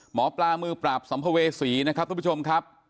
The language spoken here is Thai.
หมอปลามือปราบสัมภเวษีนะครับทุกผู้ชมครับ